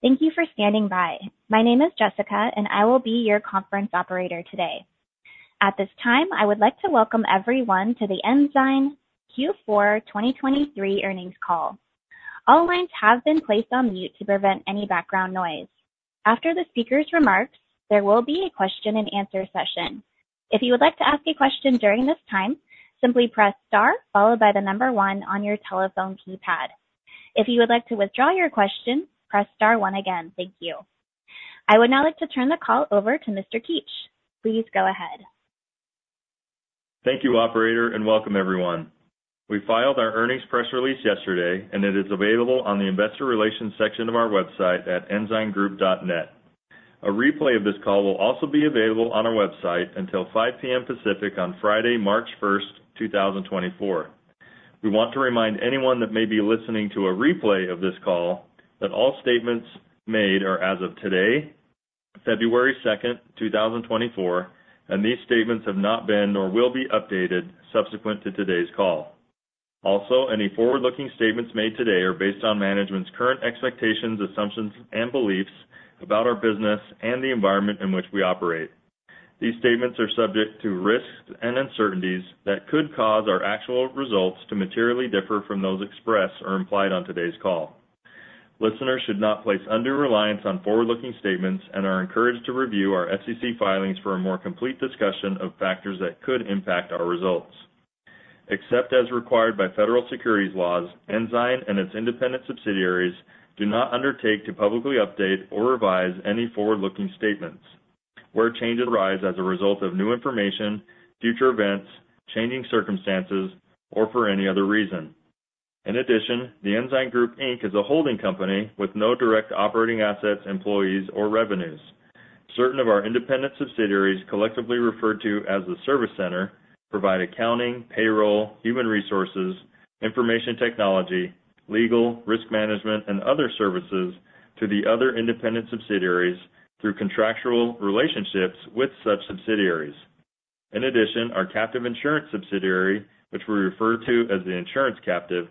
Thank you for standing by. My name is Jessica, and I will be your conference operator today. At this time, I would like to welcome everyone to The Ensign Q4 2023 Earnings Call. All lines have been placed on mute to prevent any background noise. After the speaker's remarks, there will be a question-and-answer session. If you would like to ask a question during this time, simply press star followed by the number one on your telephone keypad. If you would like to withdraw your question, press star one again. Thank you. I would now like to turn the call over to Mr. Keetch. Please go ahead. Thank you, operator, and welcome everyone. We filed our earnings press release yesterday, and it is available on the investor relations section of our website at ensigngroup.net. A replay of this call will also be available on our website until 5:00 P.M. Pacific on Friday, March 1st, 2024. We want to remind anyone that may be listening to a replay of this call that all statements made are as of today, February 2nd, 2024, and these statements have not been nor will be updated subsequent to today's call. Also, any forward-looking statements made today are based on management's current expectations, assumptions, and beliefs about our business and the environment in which we operate. These statements are subject to risks and uncertainties that could cause our actual results to materially differ from those expressed or implied on today's call. Listeners should not place undue reliance on forward-looking statements and are encouraged to review our SEC filings for a more complete discussion of factors that could impact our results. Except as required by federal securities laws, Ensign and its independent subsidiaries do not undertake to publicly update or revise any forward-looking statements, where changes arise as a result of new information, future events, changing circumstances, or for any other reason. In addition, The Ensign Group, Inc. is a holding company with no direct operating assets, employees or revenues. Certain of our independent subsidiaries, collectively referred to as the service center, provide accounting, payroll, human resources, information technology, legal, risk management, and other services to the other independent subsidiaries through contractual relationships with such subsidiaries. In addition, our captive insurance subsidiary, which we refer to as the insurance captive,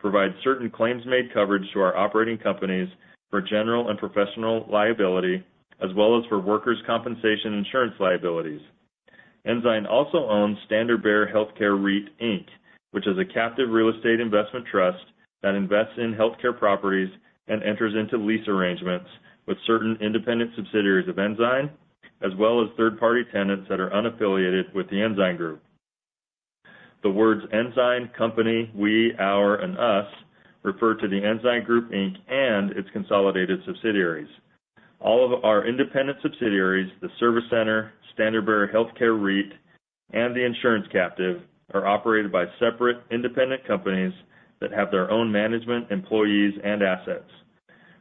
provides certain claims-made coverage to our operating companies for general and professional liability, as well as for workers' compensation insurance liabilities. Ensign also owns Standard Bearer Healthcare REIT, Inc., which is a captive real estate investment trust that invests in healthcare properties and enters into lease arrangements with certain independent subsidiaries of Ensign, as well as third-party tenants that are unaffiliated with The Ensign Group. The words Ensign, company, we, our, and us refer to The Ensign Group, Inc. and its consolidated subsidiaries. All of our independent subsidiaries, the service center, Standard Bearer Healthcare REIT, and the insurance captive, are operated by separate independent companies that have their own management, employees, and assets.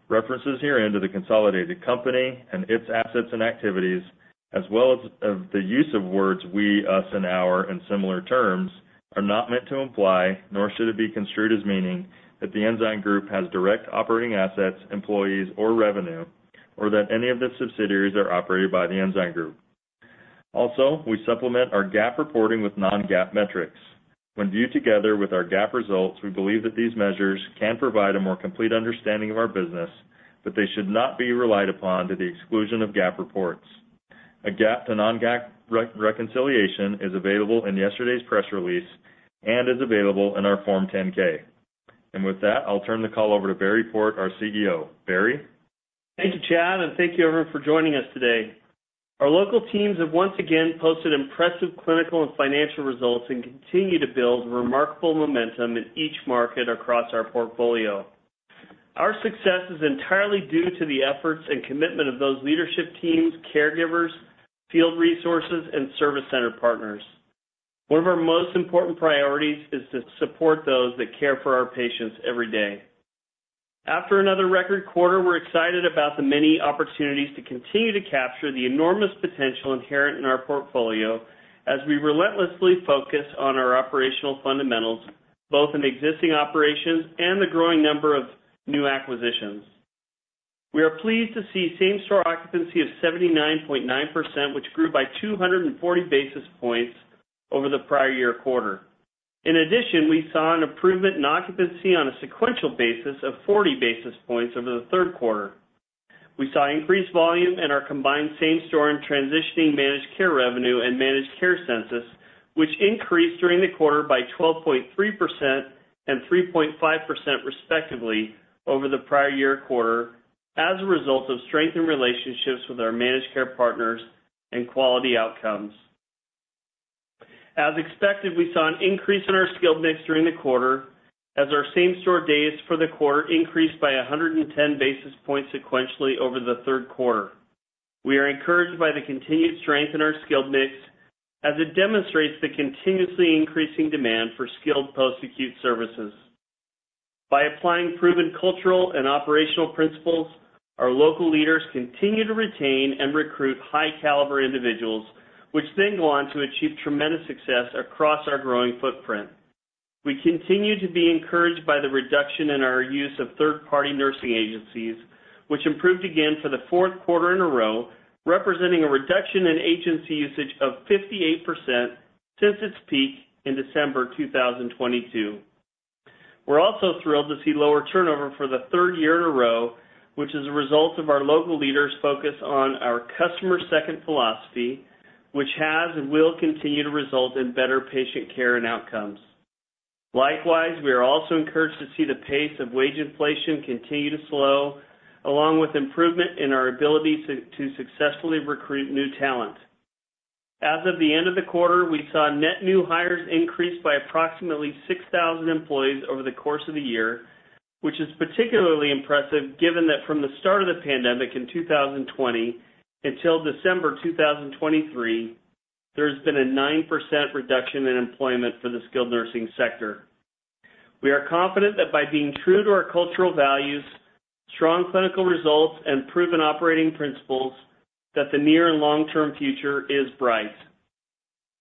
References herein to the consolidated company and its assets and activities, as well as of the use of words we, us, and our, and similar terms, are not meant to imply, nor should it be construed as meaning, that The Ensign Group has direct operating assets, employees or revenue, or that any of the subsidiaries are operated by The Ensign Group. Also, we supplement our GAAP reporting with non-GAAP metrics. When viewed together with our GAAP results, we believe that these measures can provide a more complete understanding of our business, but they should not be relied upon to the exclusion of GAAP reports. A GAAP to non-GAAP reconciliation is available in yesterday's press release and is available in our Form 10-K. And with that, I'll turn the call over to Barry Port, our CEO. Barry? Thank you, Chad, and thank you everyone for joining us today. Our local teams have once again posted impressive clinical and financial results and continue to build remarkable momentum in each market across our portfolio. Our success is entirely due to the efforts and commitment of those leadership teams, caregivers, field resources, and service center partners. One of our most important priorities is to support those that care for our patients every day. After another record quarter, we're excited about the many opportunities to continue to capture the enormous potential inherent in our portfolio as we relentlessly focus on our operational fundamentals, both in existing operations and the growing number of new acquisitions. We are pleased to see same-store occupancy of 79.9%, which grew by 240 basis points over the prior year quarter. In addition, we saw an improvement in occupancy on a sequential basis of 40 basis points over the third quarter. We saw increased volume in our combined same-store and transitioning managed care revenue and managed care census, which increased during the quarter by 12.3% and 3.5%, respectively, over the prior year quarter as a result of strengthened relationships with our managed care partners and quality outcomes. As expected, we saw an increase in our skilled mix during the quarter as our same-store days for the quarter increased by 110 basis points sequentially over the third quarter. We are encouraged by the continued strength in our skilled mix as it demonstrates the continuously increasing demand for skilled post-acute services. By applying proven cultural and operational principles, our local leaders continue to retain and recruit high-caliber individuals, which then go on to achieve tremendous success across our growing footprint. We continue to be encouraged by the reduction in our use of third-party nursing agencies, which improved again for the fourth quarter in a row, representing a reduction in agency usage of 58% since its peak in December 2022. We're also thrilled to see lower turnover for the third year in a row, which is a result of our local leaders' focus on our Customer Second philosophy, which has and will continue to result in better patient care and outcomes. Likewise, we are also encouraged to see the pace of wage inflation continue to slow, along with improvement in our ability to successfully recruit new talent. As of the end of the quarter, we saw net new hires increase by approximately 6,000 employees over the course of the year, which is particularly impressive given that from the start of the pandemic in 2020 until December 2023, there's been a 9% reduction in employment for the skilled nursing sector. We are confident that by being true to our cultural values, strong clinical results, and proven operating principles, that the near and long-term future is bright.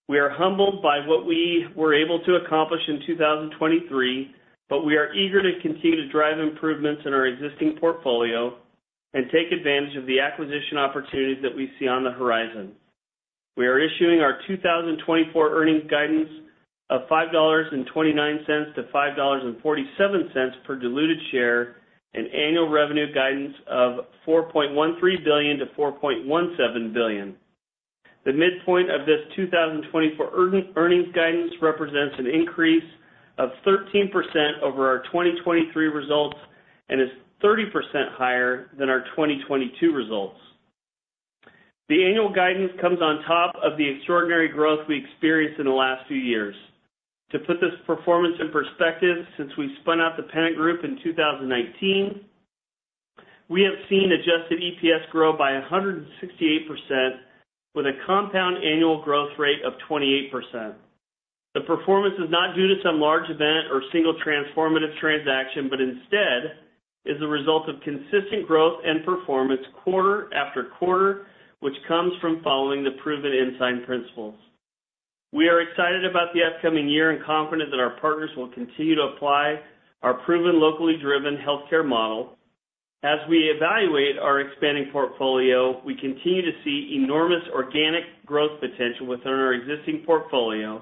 We are humbled by what we were able to accomplish in 2023, but we are eager to continue to drive improvements in our existing portfolio and take advantage of the acquisition opportunities that we see on the horizon. We are issuing our 2024 earnings guidance of $5.29-$5.47 per diluted share, and annual revenue guidance of $4.13 billion-$4.17 billion. The midpoint of this 2024 earnings guidance represents an increase of 13% over our 2023 results and is 30% higher than our 2022 results. The annual guidance comes on top of the extraordinary growth we experienced in the last few years. To put this performance in perspective, since we spun out the Pennant Group in 2019, we have seen adjusted EPS grow by 168% with a compound annual growth rate of 28%. The performance is not due to some large event or single transformative transaction, but instead is the result of consistent growth and performance quarter after quarter, which comes from following the proven Ensign principles. We are excited about the upcoming year and confident that our partners will continue to apply our proven, locally driven healthcare model. As we evaluate our expanding portfolio, we continue to see enormous organic growth potential within our existing portfolio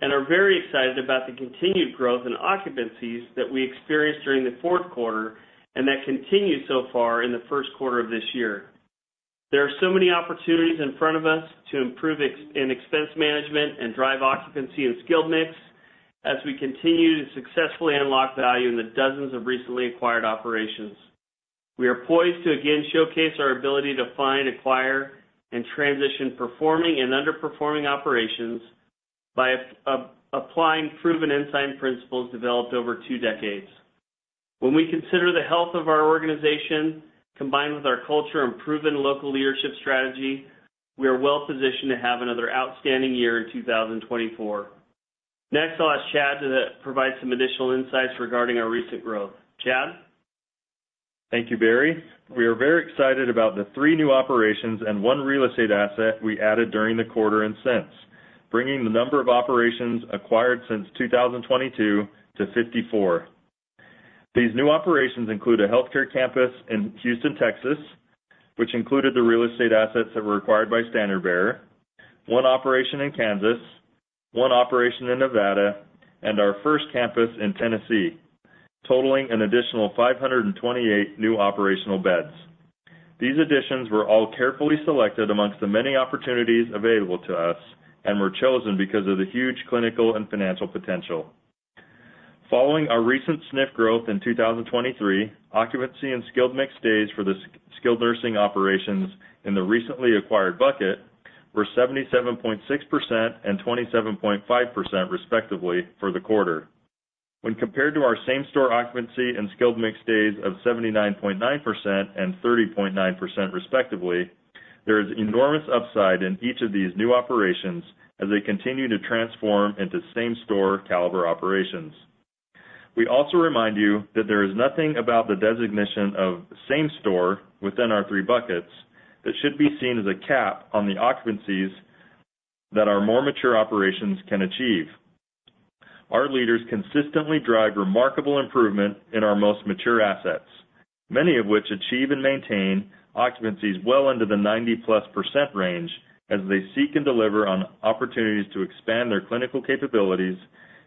and are very excited about the continued growth and occupancies that we experienced during the fourth quarter, and that continued so far in the first quarter of this year. There are so many opportunities in front of us to improve expense management and drive occupancy and skilled mix, as we continue to successfully unlock value in the dozens of recently acquired operations. We are poised to again showcase our ability to find, acquire, and transition performing and underperforming operations by applying proven Ensign principles developed over two decades. When we consider the health of our organization, combined with our culture and proven local leadership strategy, we are well positioned to have another outstanding year in 2024. Next, I'll ask Chad to provide some additional insights regarding our recent growth. Chad? Thank you, Barry. We are very excited about the three new operations and one real estate asset we added during the quarter and since, bringing the number of operations acquired since 2022 to 54. These new operations include a healthcare campus in Houston, Texas, which included the real estate assets that were acquired by Standard Bearer, one operation in Kansas, one operation in Nevada, and our first campus in Tennessee, totaling an additional 528 new operational beds. These additions were all carefully selected among the many opportunities available to us and were chosen because of the huge clinical and financial potential. Following our recent SNF growth in 2023, occupancy and skilled mix days for the skilled nursing operations in the recently acquired bucket were 77.6% and 27.5%, respectively, for the quarter. When compared to our same store occupancy and skilled mix days of 79.9% and 30.9%, respectively, there is enormous upside in each of these new operations as they continue to transform into same-store caliber operations. We also remind you that there is nothing about the designation of same store within our three buckets that should be seen as a cap on the occupancies that our more mature operations can achieve. Our leaders consistently drive remarkable improvement in our most mature assets, many of which achieve and maintain occupancies well into the 90%+ range as they seek and deliver on opportunities to expand their clinical capabilities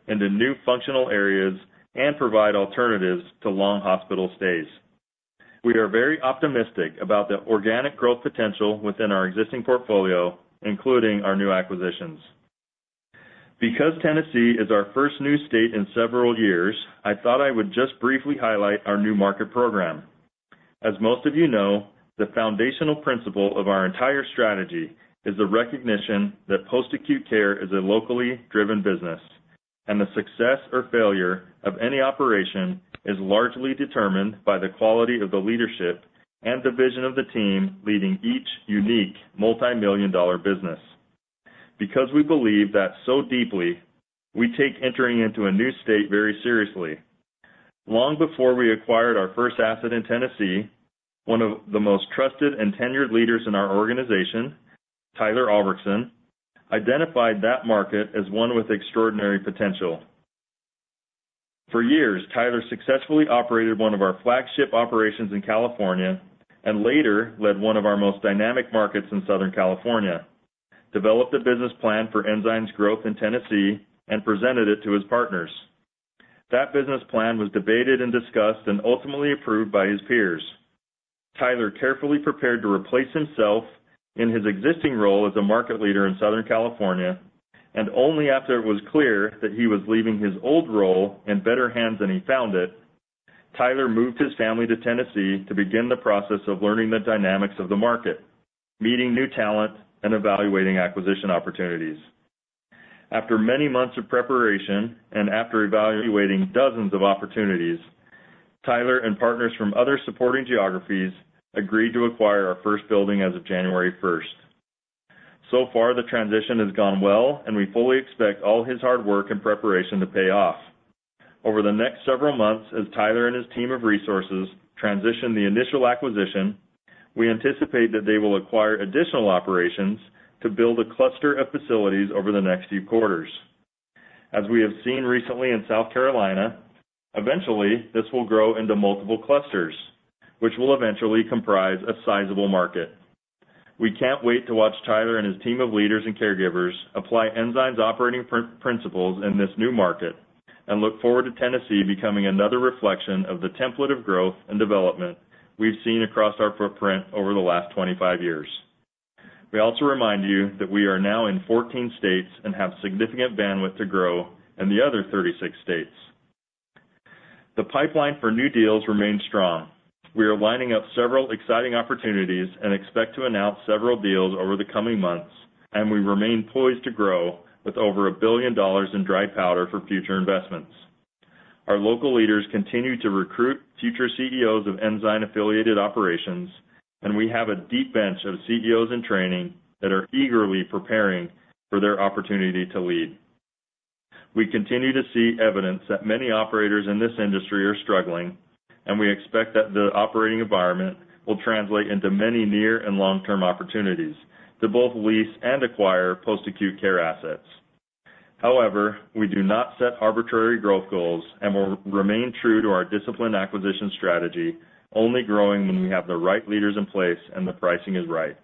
into new functional areas and provide alternatives to long hospital stays. We are very optimistic about the organic growth potential within our existing portfolio, including our new acquisitions. Because Tennessee is our first new state in several years, I thought I would just briefly highlight our new market program. As most of you know, the foundational principle of our entire strategy is the recognition that post-acute care is a locally driven business, and the success or failure of any operation is largely determined by the quality of the leadership and the vision of the team leading each unique multimillion-dollar business. Because we believe that so deeply, we take entering into a new state very seriously. Long before we acquired our first asset in Tennessee, one of the most trusted and tenured leaders in our organization, Tyler Albrechtsen, identified that market as one with extraordinary potential. For years, Tyler successfully operated one of our flagship operations in California, and later led one of our most dynamic markets in Southern California, developed a business plan for Ensign's growth in Tennessee, and presented it to his partners. That business plan was debated and discussed, and ultimately approved by his peers. Tyler carefully prepared to replace himself in his existing role as a market leader in Southern California, and only after it was clear that he was leaving his old role in better hands than he found it, Tyler moved his family to Tennessee to begin the process of learning the dynamics of the market, meeting new talent, and evaluating acquisition opportunities. After many months of preparation and after evaluating dozens of opportunities, Tyler and partners from other supporting geographies agreed to acquire our first building as of January 1st. So far, the transition has gone well, and we fully expect all his hard work and preparation to pay off. Over the next several months, as Tyler and his team of resources transition the initial acquisition, we anticipate that they will acquire additional operations to build a cluster of facilities over the next few quarters. As we have seen recently in South Carolina, eventually, this will grow into multiple clusters, which will eventually comprise a sizable market. We can't wait to watch Tyler and his team of leaders and caregivers apply Ensign's operating principles in this new market, and look forward to Tennessee becoming another reflection of the template of growth and development we've seen across our footprint over the last 25 years. We also remind you that we are now in 14 states and have significant bandwidth to grow in the other 36 states. The pipeline for new deals remains strong. We are lining up several exciting opportunities and expect to announce several deals over the coming months, and we remain poised to grow with over $1 billion in dry powder for future investments. Our local leaders continue to recruit future CEOs of Ensign-affiliated operations, and we have a deep bench of CEOs in training that are eagerly preparing for their opportunity to lead. We continue to see evidence that many operators in this industry are struggling, and we expect that the operating environment will translate into many near- and long-term opportunities to both lease and acquire post-acute care assets. However, we do not set arbitrary growth goals and will remain true to our disciplined acquisition strategy, only growing when we have the right leaders in place and the pricing is right.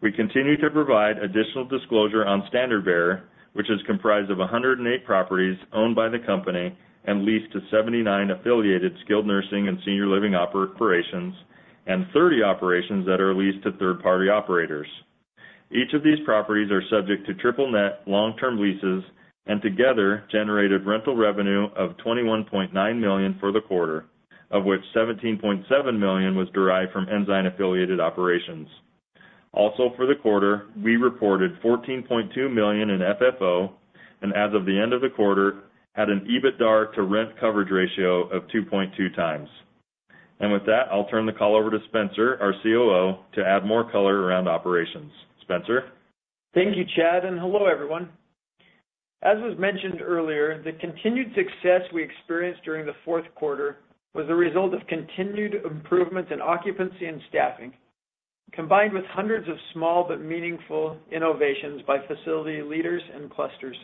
We continue to provide additional disclosure on Standard Bearer, which is comprised of 108 properties owned by the company and leased to 79 affiliated skilled nursing and senior living operations, and 30 operations that are leased to third-party operators. Each of these properties are subject to triple net, long-term leases, and together, generated rental revenue of $21.9 million for the quarter, of which $17.7 million was derived from Ensign-affiliated operations. Also, for the quarter, we reported $14.2 million in FFO, and as of the end of the quarter, had an EBITDAR to rent coverage ratio of 2.2x. And with that, I'll turn the call over to Spencer, our COO, to add more color around operations. Spencer? Thank you, Chad, and hello, everyone. As was mentioned earlier, the continued success we experienced during the fourth quarter was a result of continued improvements in occupancy and staffing, combined with hundreds of small but meaningful innovations by facility leaders and clusters.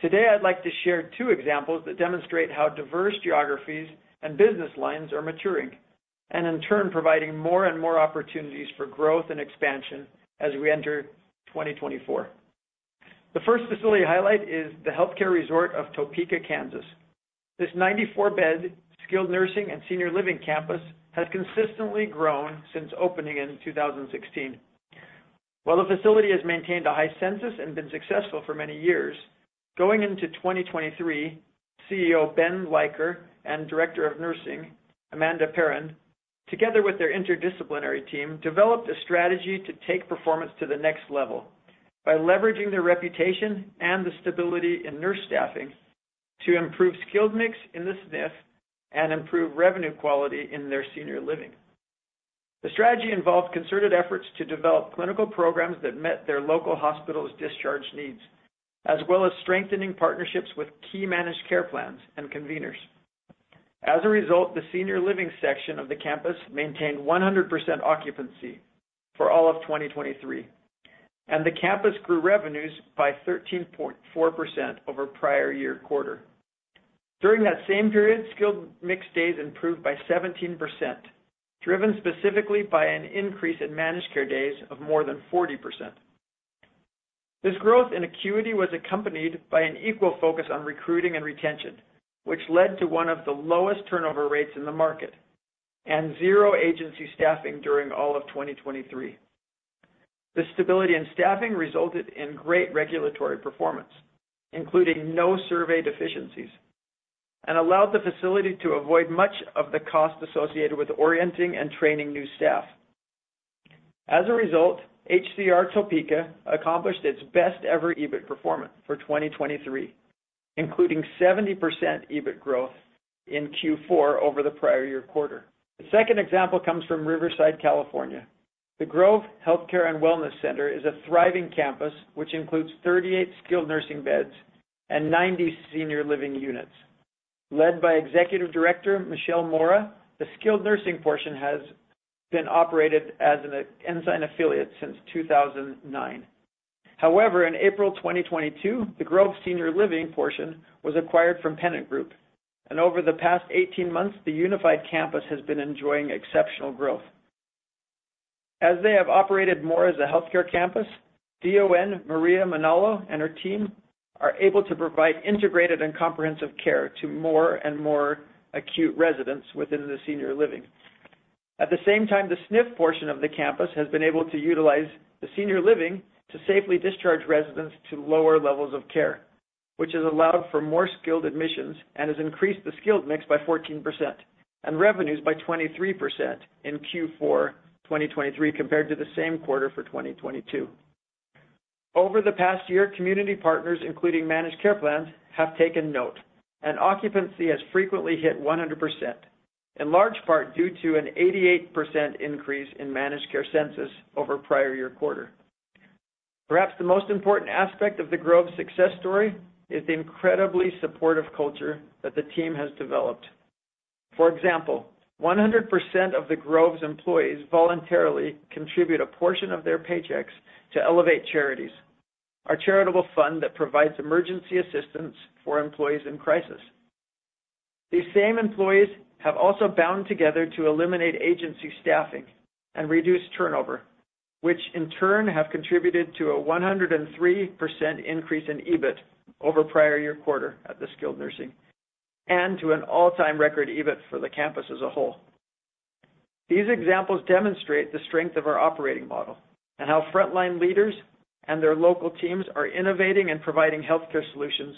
Today, I'd like to share two examples that demonstrate how diverse geographies and business lines are maturing, and in turn, providing more and more opportunities for growth and expansion as we enter 2024. The first facility highlight is the Healthcare Resort of Topeka, Kansas. This 94-bed skilled nursing and senior living campus has consistently grown since opening in 2016. While the facility has maintained a high census and been successful for many years, going into 2023, CEO Ben Weicker and Director of Nursing, Amanda Perrin, together with their interdisciplinary team, developed a strategy to take performance to the next level by leveraging their reputation and the stability in nurse staffing to improve skilled mix in the SNF and improve revenue quality in their senior living. The strategy involved concerted efforts to develop clinical programs that met their local hospital's discharge needs, as well as strengthening partnerships with key managed care plans and conveners. As a result, the senior living section of the campus maintained 100% occupancy for all of 2023, and the campus grew revenues by 13.4% over prior year quarter. During that same period, skilled mix days improved by 17%, driven specifically by an increase in managed care days of more than 40%. This growth in acuity was accompanied by an equal focus on recruiting and retention, which led to one of the lowest turnover rates in the market and zero agency staffing during all of 2023. The stability in staffing resulted in great regulatory performance, including no survey deficiencies, and allowed the facility to avoid much of the cost associated with orienting and training new staff. As a result, HCR Topeka accomplished its best-ever EBIT performance for 2023, including 70% EBIT growth in Q4 over the prior year quarter. The second example comes from Riverside, California. The Grove Healthcare and Wellness Center is a thriving campus, which includes 38 skilled nursing beds and 90 senior living units. Led by Executive Director Michelle Mora, the skilled nursing portion has been operated as an Ensign affiliate since 2009. However, in April 2022, the Grove Senior Living portion was acquired from Pennant Group, and over the past 18 months, the unified campus has been enjoying exceptional growth. As they have operated more as a healthcare campus, DON Maria Manalo and her team are able to provide integrated and comprehensive care to more and more acute residents within the senior living. At the same time, the SNF portion of the campus has been able to utilize the senior living to safely discharge residents to lower levels of care, which has allowed for more skilled admissions and has increased the skilled mix by 14% and revenues by 23% in Q4 2023, compared to the same quarter for 2022. Over the past year, community partners, including managed care plans, have taken note, and occupancy has frequently hit 100%, in large part due to an 88% increase in managed care census over prior year quarter. Perhaps the most important aspect of the Grove's success story is the incredibly supportive culture that the team has developed. For example, 100% of the Grove's employees voluntarily contribute a portion of their paychecks to Elevate Charities, our charitable fund that provides emergency assistance for employees in crisis. These same employees have also bound together to eliminate agency staffing and reduce turnover, which in turn have contributed to a 103% increase in EBIT over prior year quarter at the skilled nursing, and to an all-time record EBIT for the campus as a whole. These examples demonstrate the strength of our operating model and how frontline leaders and their local teams are innovating and providing healthcare solutions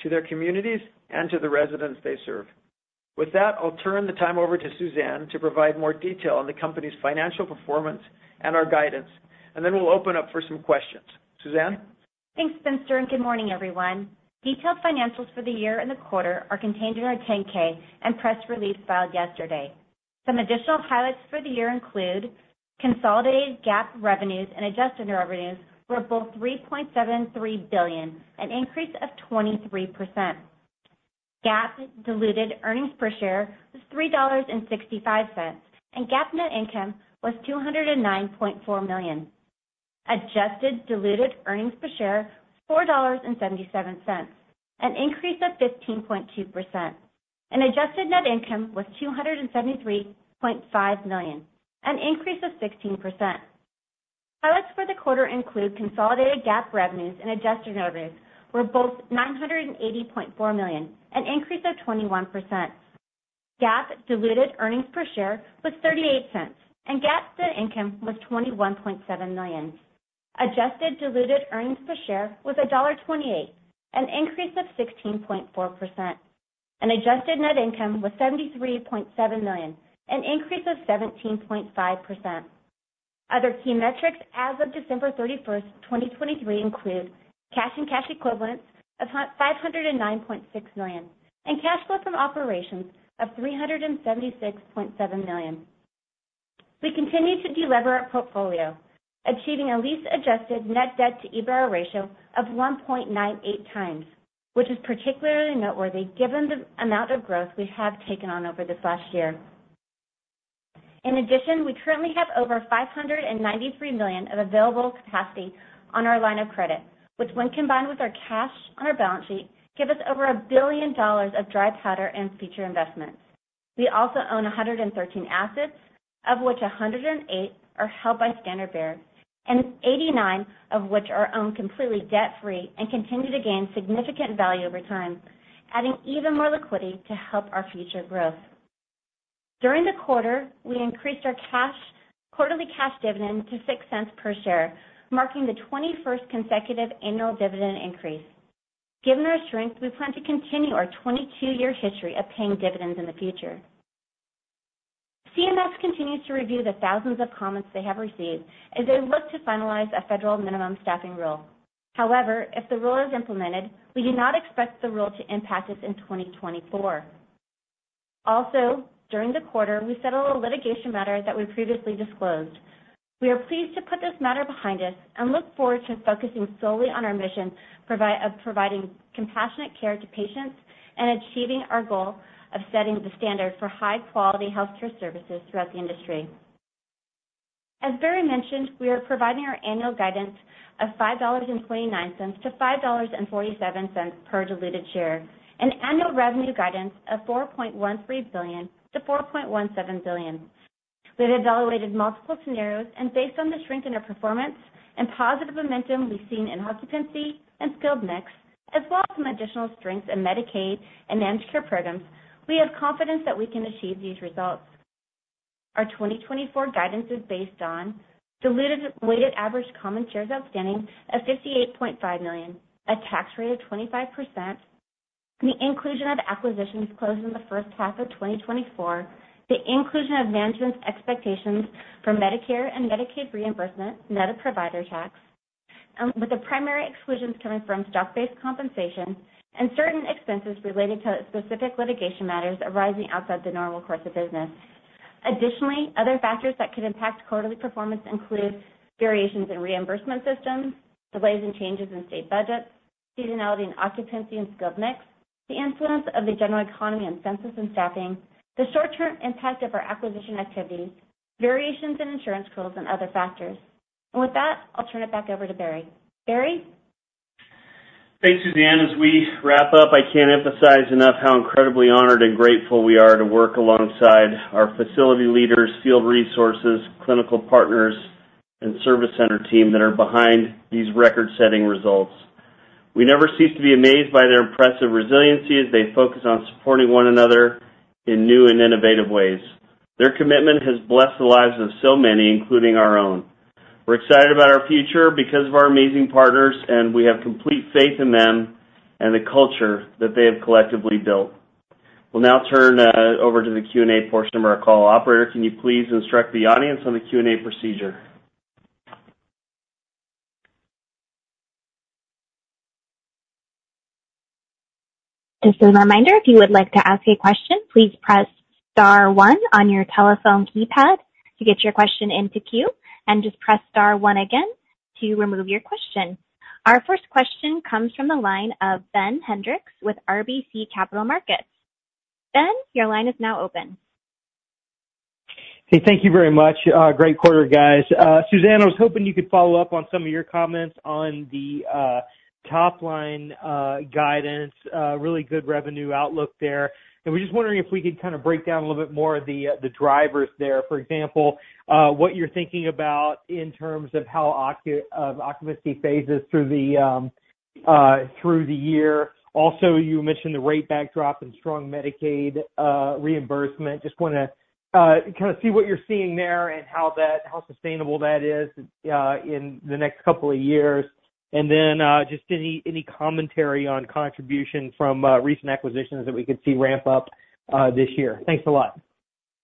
to their communities and to the residents they serve. With that, I'll turn the time over to Suzanne to provide more detail on the company's financial performance and our guidance, and then we'll open up for some questions. Suzanne? Thanks, Spencer, and good morning, everyone. Detailed financials for the year and the quarter are contained in our 10-K and press release filed yesterday. Some additional highlights for the year include consolidated GAAP revenues and adjusted revenues were both $3.73 billion, an increase of 23%. GAAP diluted earnings per share was $3.65, and GAAP net income was $209.4 million. Adjusted diluted earnings per share, $4.77, an increase of 15.2%, and adjusted net income was $273.5 million, an increase of 16%. Highlights for the quarter include consolidated GAAP revenues and adjusted revenues were both $980.4 million, an increase of 21%. GAAP diluted earnings per share was $0.38, and GAAP net income was $21.7 million. Adjusted diluted earnings per share was $1.28, an increase of 16.4%, and adjusted net income was $73.7 million, an increase of 17.5%. Other key metrics as of December 31st, 2023, include cash and cash equivalents of $509.6 million, and cash flow from operations of $376.7 million. We continue to delever our portfolio, achieving a lease-adjusted net debt to EBITDA ratio of 1.98x, which is particularly noteworthy given the amount of growth we have taken on over this last year. In addition, we currently have over $593 million of available capacity on our line of credit, which, when combined with our cash on our balance sheet, give us over $1 billion of dry powder and future investments. We also own 113 assets, of which 108 are held by Standard Bearer, and 89 of which are owned completely debt-free and continue to gain significant value over time, adding even more liquidity to help our future growth. During the quarter, we increased our cash quarterly cash dividend to $0.06 per share, marking the 21st consecutive annual dividend increase. Given our strength, we plan to continue our 22-year history of paying dividends in the future. CMS continues to review the thousands of comments they have received as they look to finalize a federal minimum staffing rule. However, if the rule is implemented, we do not expect the rule to impact us in 2024. Also, during the quarter, we settled a litigation matter that we previously disclosed. We are pleased to put this matter behind us and look forward to focusing solely on our mission of providing compassionate care to patients and achieving our goal of setting the standard for high-quality healthcare services throughout the industry. As Barry mentioned, we are providing our annual guidance of $5.29-$5.47 per diluted share, an annual revenue guidance of $4.13 billion-$4.17 billion. We've evaluated multiple scenarios, and based on the strength in our performance and positive momentum we've seen in occupancy and skilled mix, as well as some additional strengths in Medicaid and managed care programs, we have confidence that we can achieve these results. Our 2024 guidance is based on diluted weighted average common shares outstanding of 58.5 million, a tax rate of 25%, the inclusion of acquisitions closed in the first half of 2024, the inclusion of management's expectations for Medicare and Medicaid reimbursement net of provider tax, with the primary exclusions coming from stock-based compensation and certain expenses related to specific litigation matters arising outside the normal course of business. Additionally, other factors that could impact quarterly performance include variations in reimbursement systems, delays and changes in state budgets, seasonality and occupancy and scope mix, the influence of the general economy and census and staffing, the short-term impact of our acquisition activity, variations in insurance pools, and other factors. And with that, I'll turn it back over to Barry. Barry? Thanks, Suzanne. As we wrap up, I can't emphasize enough how incredibly honored and grateful we are to work alongside our facility leaders, field resources, clinical partners, and service center team that are behind these record-setting results. We never cease to be amazed by their impressive resiliency as they focus on supporting one another in new and innovative ways. Their commitment has blessed the lives of so many, including our own. We're excited about our future because of our amazing partners, and we have complete faith in them and the culture that they have collectively built. We'll now turn over to the Q&A portion of our call. Operator, can you please instruct the audience on the Q&A procedure? Just a reminder, if you would like to ask a question, please press star one on your telephone keypad to get your question into queue, and just press star one again to remove your question. Our first question comes from the line of Ben Hendrix with RBC Capital Markets. Ben, your line is now open. Hey, thank you very much. Great quarter, guys. Suzanne, I was hoping you could follow up on some of your comments on the top line guidance. Really good revenue outlook there. We're just wondering if we could kind of break down a little bit more of the drivers there. For example, what you're thinking about in terms of how occupancy phases through the year. Also, you mentioned the rate backdrop and strong Medicaid reimbursement. Just wanna kind of see what you're seeing there and how sustainable that is in the next couple of years. Then, just any commentary on contribution from recent acquisitions that we could see ramp up this year? Thanks a lot.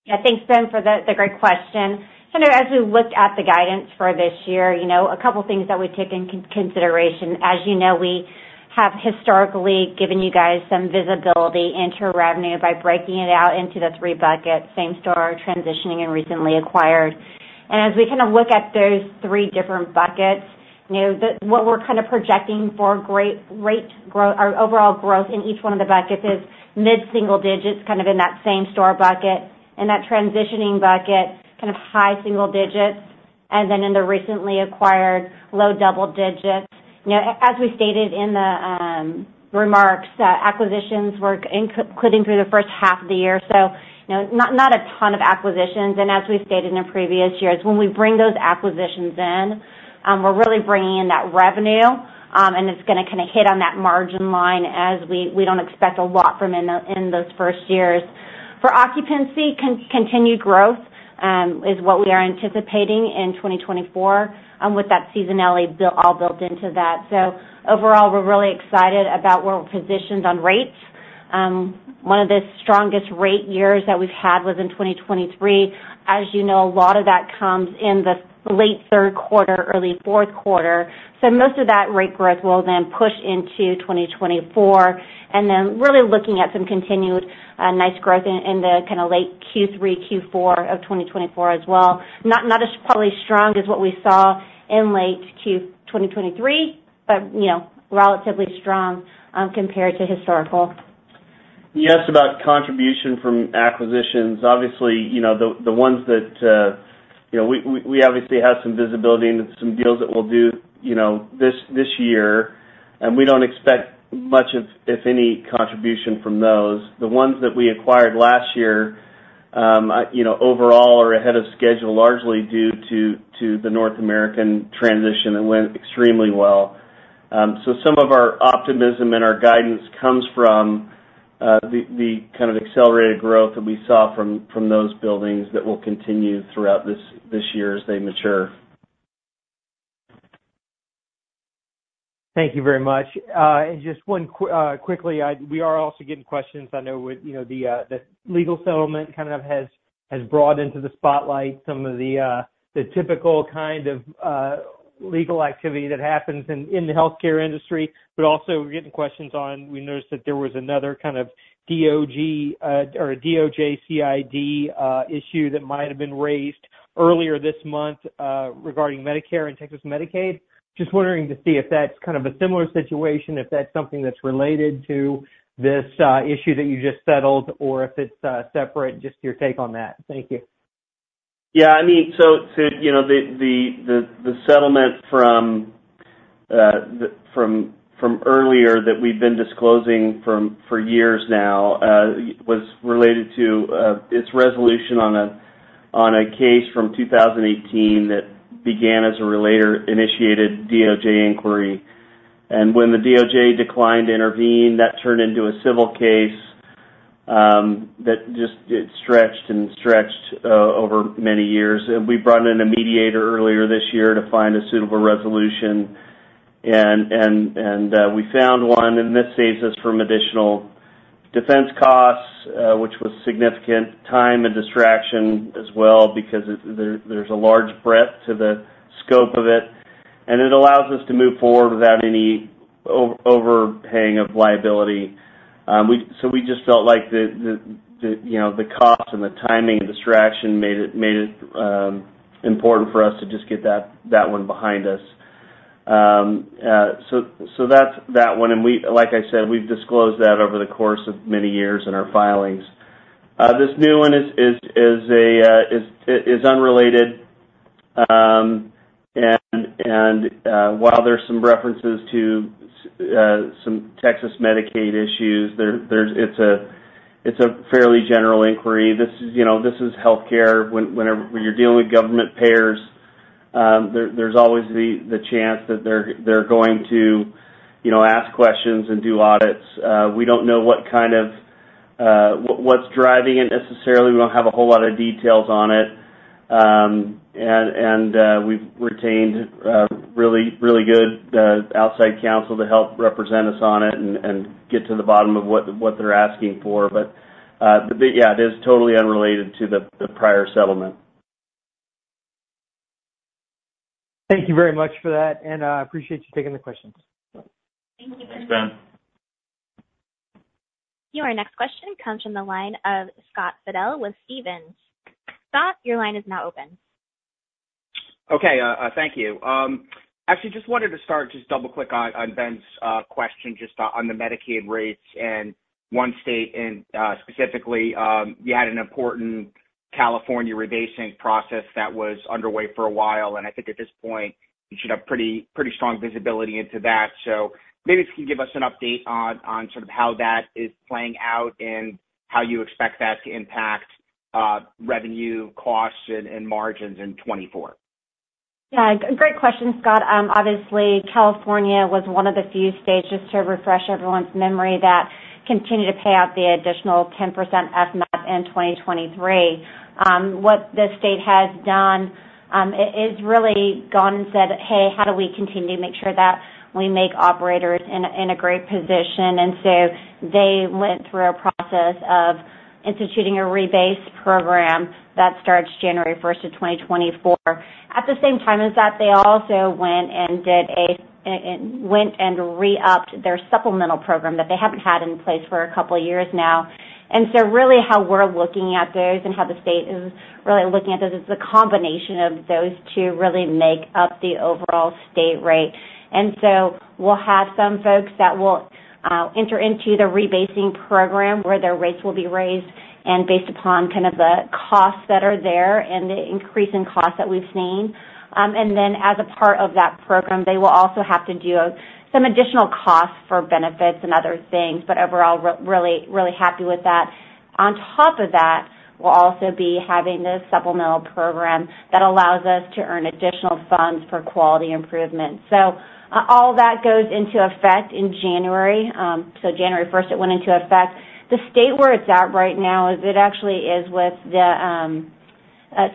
Yeah, thanks, Ben, for the great question. You know, as we look at the guidance for this year, you know, a couple things that we take in consideration. As you know, we have historically given you guys some visibility into revenue by breaking it out into the three buckets: same-store, transitioning, and recently acquired. And as we kind of look at those three different buckets, you know, the what we're kind of projecting for rate growth or overall growth in each one of the buckets is mid-single digits, kind of in that same-store bucket, and that transitioning bucket, kind of high single digits, and then in the recently acquired, low double digits. You know, as we stated in the remarks, acquisitions were including through the first half of the year, so, you know, not a ton of acquisitions. As we've stated in the previous years, when we bring those acquisitions in, we're really bringing in that revenue, and it's gonna kinda hit on that margin line as we don't expect a lot from in those first years. For occupancy, continued growth is what we are anticipating in 2024, with that seasonality build all built into that. So overall, we're really excited about where we're positioned on rates. One of the strongest rate years that we've had was in 2023. As you know, a lot of that comes in the late third quarter, early fourth quarter, so most of that rate growth will then push into 2024. And then really looking at some continued, nice growth in the kinda late Q3, Q4 of 2024 as well. Not as, probably, strong as what we saw in late Q3 2023, but you know, relatively strong compared to historical. You asked about contribution from acquisitions. Obviously, you know, the ones that you know, we obviously have some visibility into some deals that we'll do, you know, this year, and we don't expect much of, if any, contribution from those. The ones that we acquired last year, you know, overall are ahead of schedule, largely due to the North American transition, and went extremely well. So some of our optimism and our guidance comes from the kind of accelerated growth that we saw from those buildings that will continue throughout this year as they mature. Thank you very much. Just quickly, we are also getting questions. I know with, you know, the legal settlement kind of has brought into the spotlight some of the typical kind of legal activity that happens in the healthcare industry, but also we're getting questions on, we noticed that there was another kind of DOJ or a DOJ CID issue that might have been raised earlier this month, regarding Medicare and Texas Medicaid. Just wondering to see if that's kind of a similar situation, if that's something that's related to this issue that you just settled, or if it's separate, just your take on that. Thank you. Yeah, I mean, so to, you know, the settlement from the from earlier that we've been disclosing for years now was related to its resolution on a case from 2018 that began as a relator-initiated DOJ inquiry. And when the DOJ declined to intervene, that turned into a civil case, that just it stretched and stretched over many years. And we brought in a mediator earlier this year to find a suitable resolution, and we found one, and this saves us from additional defense costs, which was significant time and distraction as well, because there's a large breadth to the scope of it. And it allows us to move forward without any overpaying of liability. We just felt like the, you know, the cost and the timing and distraction made it important for us to just get that one behind us. So that's that one, and like I said, we've disclosed that over the course of many years in our filings. This new one is unrelated. And while there's some references to some Texas Medicaid issues, there's—it's a fairly general inquiry. This is, you know, this is healthcare. Whenever you're dealing with government payers, there's always the chance that they're going to, you know, ask questions and do audits. We don't know what kind of, what's driving it necessarily. We don't have a whole lot of details on it. And we've retained really, really good outside counsel to help represent us on it and get to the bottom of what they're asking for. But it is totally unrelated to the prior settlement. Thank you very much for that, and I appreciate you taking the questions. Thanks, Ben. Your next question comes from the line of Scott Fidel with Stephens. Scott, your line is now open. Okay, thank you. Actually, just wanted to start, just double-click on Ben's question just on the Medicaid rates and one state, and specifically, you had an important California rebasing process that was underway for a while, and I think at this point, you should have pretty, pretty strong visibility into that. So maybe if you can give us an update on sort of how that is playing out and how you expect that to impact revenue, costs, and margins in 2024. Yeah, great question, Scott. Obviously, California was one of the few states, just to refresh everyone's memory, that continued to pay out the additional 10% FMAP in 2023. What the state has done is really gone and said, "Hey, how do we continue to make sure that we make operators in a, in a great position?" And so they went through a process of instituting a rebase program that starts January 1st of 2024. At the same time as that, they also went and did a, went and re-upped their supplemental program that they haven't had in place for a couple of years now. And so really how we're looking at those and how the state is really looking at those is the combination of those two really make up the overall state rate. And so we'll have some folks that will enter into the rebasing program, where their rates will be raised, and based upon kind of the costs that are there and the increase in costs that we've seen. And then as a part of that program, they will also have to do some additional costs for benefits and other things, but overall, really, really happy with that. On top of that, we'll also be having this supplemental program that allows us to earn additional funds for quality improvement. So, all that goes into effect in January. So January 1st, it went into effect. The state where it's at right now is it actually is with the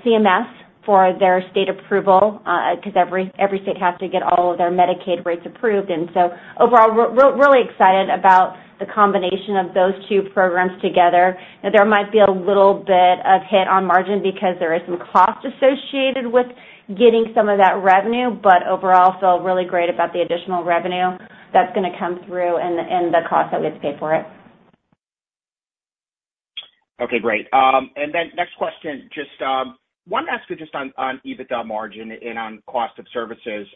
CMS for their state approval, 'cause every state has to get all of their Medicaid rates approved. And so overall, we're really excited about the combination of those two programs together. Now, there might be a little bit of hit on margin because there is some cost associated with getting some of that revenue, but overall, feel really great about the additional revenue that's gonna come through and the cost that we have to pay for it. Okay, great. And then next question, just wanted to ask you just on, on EBITDA margin and on cost of services.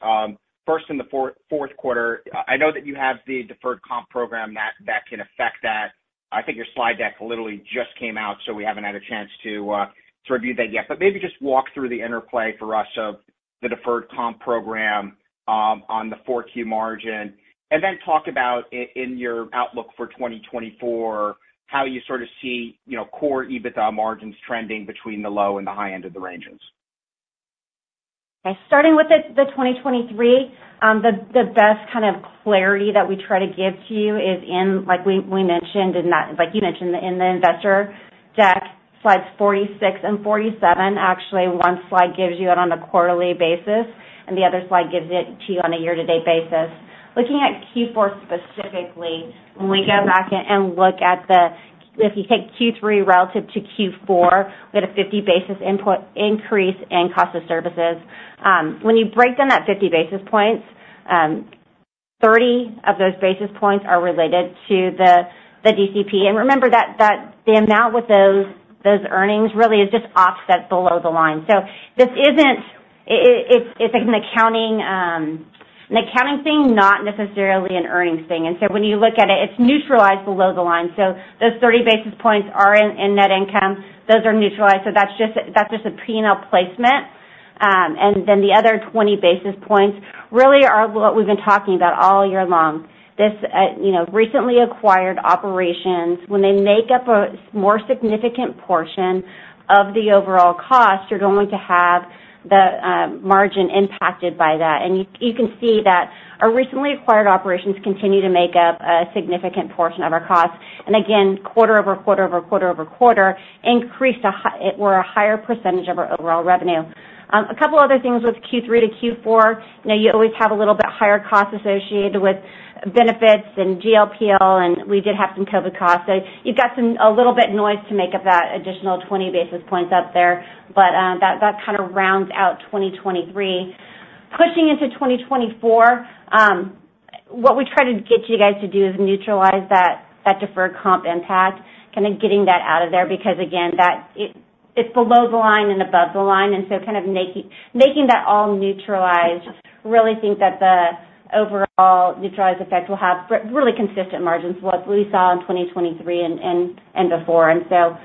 First, in the fourth quarter, I know that you have the deferred comp program that, that can affect that. I think your slide deck literally just came out, so we haven't had a chance to, to review that yet. But maybe just walk through the interplay for us of the deferred comp program, on the 4Q margin, and then talk about in your outlook for 2024, how you sort of see, you know, core EBITDA margins trending between the low and the high end of the ranges. Okay. Starting with the 2023, the best kind of clarity that we try to give to you is in, like we mentioned in that, like you mentioned in the investor deck, slides 46 and 47. Actually, one slide gives you it on a quarterly basis, and the other slide gives it to you on a year-to-date basis. Looking at Q4 specifically, when we go back and look at the. If you take Q3 relative to Q4, we had a 50 basis point increase in cost of services. When you break down that 50 basis points, 30 of those basis points are related to the DCP. And remember that the amount with those earnings really is just offset below the line. So this isn't, it's an accounting thing, not necessarily an earnings thing. When you look at it, it's neutralized below the line. So those 30 basis points are in net income. Those are neutralized, so that's just a P&L placement. And then the other 20 basis points really are what we've been talking about all year long. You know, recently acquired operations, when they make up a more significant portion of the overall cost, you're going to have the margin impacted by that. And you can see that our recently acquired operations continue to make up a significant portion of our costs. And again, quarter over quarter over quarter over quarter, increasing to a higher percentage of our overall revenue. A couple other things with Q3 to Q4, you know, you always have a little bit higher costs associated with benefits and GLPL, and we did have some COVID costs. So you've got some, a little bit noise to make up that additional 20 basis points up there, but that kind of rounds out 2023. Pushing into 2024, what we try to get you guys to do is neutralize that deferred comp impact, kind of getting that out of there, because again, that it's below the line and above the line, and so kind of making that all neutralized, really think that the overall neutralized effect will have really consistent margins, what we saw in 2023 and before. And so,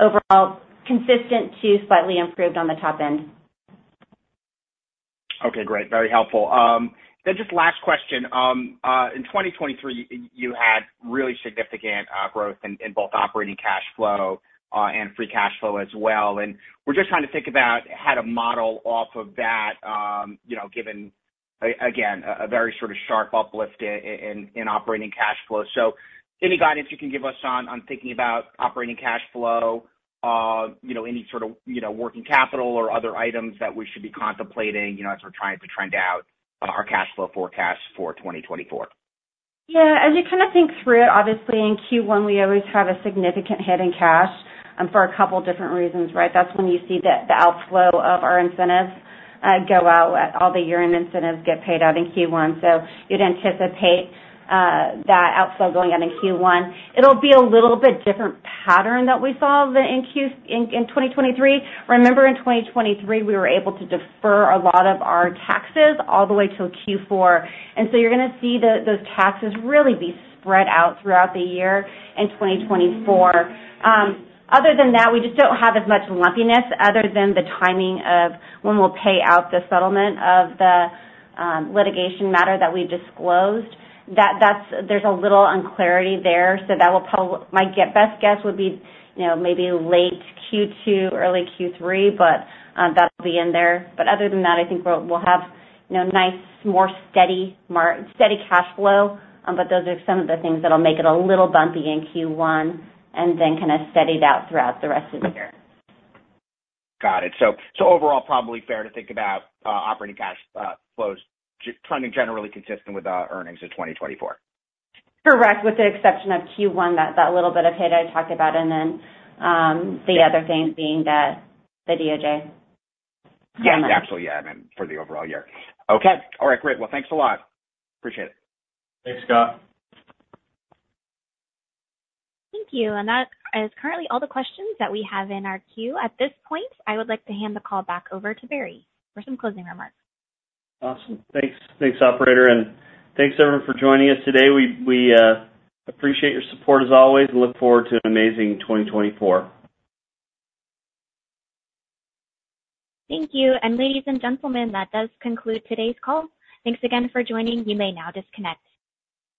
overall, consistent to slightly improved on the top end. Okay, great. Very helpful. Then just last question. In 2023, you had really significant growth in both operating cash flow and free cash flow as well. And we're just trying to think about how to model off of that, you know, given again a very sort of sharp uplift in operating cash flow. So any guidance you can give us on thinking about operating cash flow, you know, any sort of working capital or other items that we should be contemplating, you know, as we're trying to trend out our cash flow forecast for 2024? Yeah, as you kind of think through, obviously in Q1, we always have a significant hit in cash, for a couple different reasons, right? That's when you see the outflow of our incentives go out. All the year-end incentives get paid out in Q1, so you'd anticipate that outflow going out in Q1. It'll be a little bit different pattern than we saw in Q1 in 2023. Remember, in 2023, we were able to defer a lot of our taxes all the way till Q4, and so you're gonna see those taxes really be spread out throughout the year in 2024. Other than that, we just don't have as much lumpiness other than the timing of when we'll pay out the settlement of the litigation matter that we disclosed. That, that's—there's a little unclarity there, so that will probably... My best guess would be, you know, maybe late Q2, early Q3, but that'll be in there. But other than that, I think we'll have, you know, nice, more steady steady cash flow. But those are some of the things that'll make it a little bumpy in Q1, and then kind of steady it out throughout the rest of the year. Got it. So, so overall, probably fair to think about, operating cash, flows trending generally consistent with our earnings in 2024. Correct. With the exception of Q1, that little bit of hit I talked about, and then, the other thing being the DOJ payment. Yeah, actually, yeah, I meant for the overall year. Okay, all right, great. Well, thanks a lot. Appreciate it. Thanks, Scott. Thank you. That is currently all the questions that we have in our queue. At this point, I would like to hand the call back over to Barry for some closing remarks. Awesome. Thanks. Thanks, operator, and thanks everyone for joining us today. We appreciate your support as always and look forward to an amazing 2024. Thank you. Ladies and gentlemen, that does conclude today's call. Thanks again for joining. You may now disconnect.